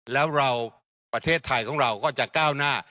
แล้วเราประเทศไทยของเราก็จะก้าวหน้า